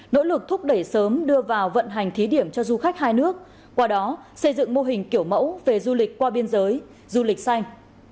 nỗ lực thúc đẩy sớm đưa vào vận hành thí điểm cho du khách hai nước qua đó xây dựng mô hình kiểu mẫu về du lịch qua biên giới du lịch xanh